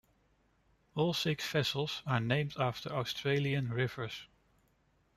All six vessels are named after Australian rivers.